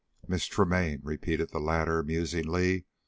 "Miss Tremaine," repeated the latter, musingly.